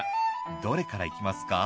どれからいきますか？